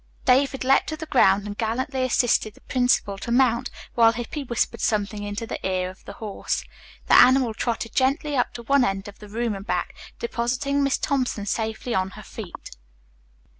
David leaped to the ground and gallantly assisted the principal to mount, while Hippy whispered something into the ear of the horse. The animal trotted gently up to one end of the room and back, depositing Miss Thompson safely on her feet.